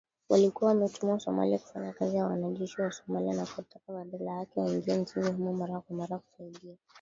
Walikuwa wametumwa Somalia kufanya kazi na wanajeshi wa Somalia na kuwataka badala yake waingie nchini humo mara kwa mara kusaidia